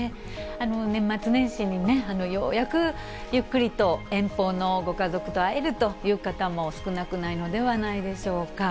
年末年始にようやくゆっくりと遠方のご家族と会えるという方も少なくないのではないでしょうか。